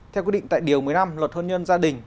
theo quy định tại điều một mươi năm luật hôn nhân gia đình